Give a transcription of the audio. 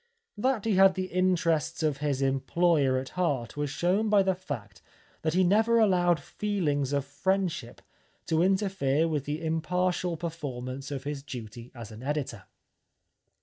That he had the interests of his employer at heart was shown by the fact that he never allowed feehngs of friendship to interfere with the impartial per formance of his duty as an editor.